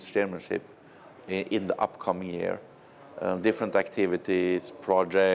chúng tôi sẽ gặp quý vị của quý vị của hà nội